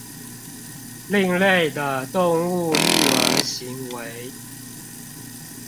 另類的動物育兒行為